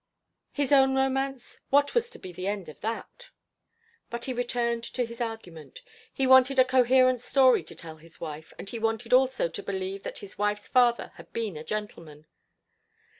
His own romance? What was to be the end of that! But he returned to his argument. He wanted a coherent story to tell his wife, and he wanted also to believe that his wife's father had been a gentleman.